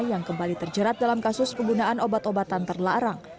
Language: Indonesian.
yang kembali terjerat dalam kasus penggunaan obat obatan terlarang